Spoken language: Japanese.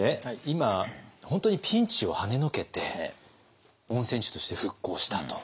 今本当にピンチをはねのけて温泉地として復興したと。